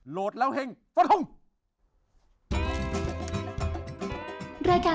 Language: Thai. โหลดแล้วเฮ่งสวัสดีครับ